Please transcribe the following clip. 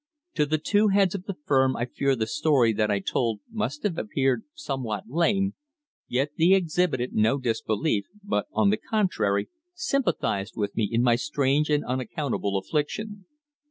To the two heads of the firm I fear the story that I told must have appeared somewhat lame, yet they exhibited no disbelief, but on the contrary sympathized with me in my strange and unaccountable affliction.